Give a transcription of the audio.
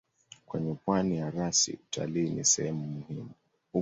Kwenye pwani ya rasi utalii ni sehemu muhimu ya uchumi.